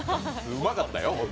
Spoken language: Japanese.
うまかったよ。